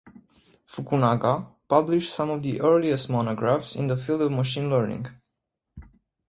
Fukunaga published some of the earliest monographs in the field of machine learning.